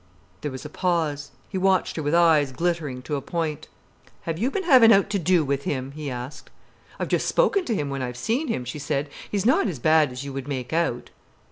There was a pause. He watched her with eyes glittering to a point. "Have you been havin' owt to do with him?" he asked. "I've just spoken to him when I've seen him," she said. "He's not as bad as you would make out."